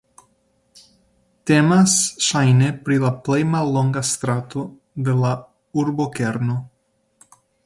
Temas ŝajne pri la plej mallonga strato de la urbokerno.